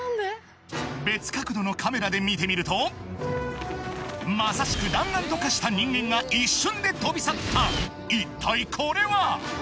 別角度のカメラで見てみるとまさしく弾丸と化した人間が一瞬で飛び去った一体これは！？